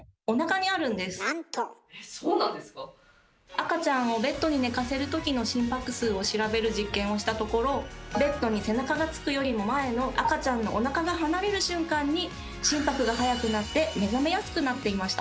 赤ちゃんをベッドに寝かせる時の心拍数を調べる実験をしたところベッドに背中がつくよりも前の赤ちゃんのおなかが離れる瞬間に心拍が速くなって目覚めやすくなっていました。